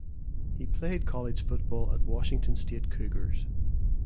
He played college football at Washington State Cougars.